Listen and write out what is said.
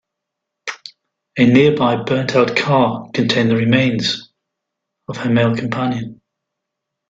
A nearby burned-out car contained the remains of her male companion.